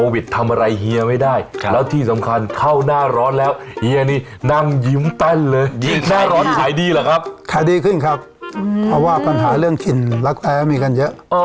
เพราะว่ามันใช้แล้วแห้งสบาย